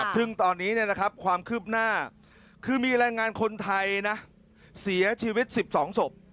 ซึ่งตอนนี้ความคืบหน้าคือมีแรงงานคนไทยนะเสียชีวิต๑๒ศพ